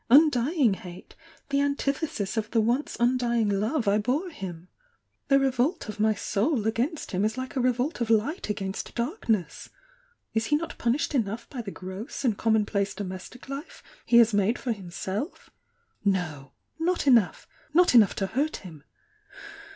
— undying hate, the antitiiesis of the once undying love I bore him ! The revolt of my soul against him is hke a revolt of light against darkness! Is he not punished enough by the gross and commonplace domestic life he has made for him self ! No! — not enough! — not enough to hurt him!"